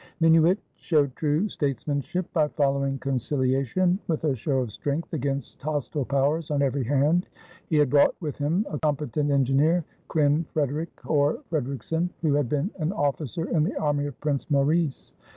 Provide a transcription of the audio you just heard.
Minuit showed true statesmanship by following conciliation with a show of strength against hostile powers on every hand. He had brought with him a competent engineer, Kryn Frederycke, or Fredericksen, who had been an officer in the army of Prince Maurice.